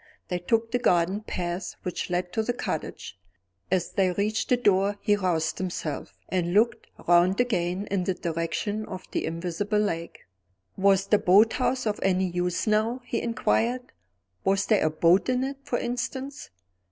They took the garden path which led to the cottage. As they reached the door he roused himself, and looked round again in the direction of the invisible lake. "Was the boat house of any use now," he inquired "was there a boat in it, for instance?"